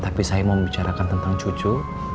tapi saya mau bicarakan tentang cucu